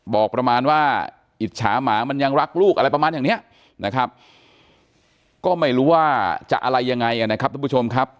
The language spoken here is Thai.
บอกประมาณว่าอิจฉาหมามันยังรักลูกอะไรประมาณอย่างเนี้ยนะครับก็ไม่รู้ว่าจะอะไรยังไงนะครับทุกผู้ชมครับ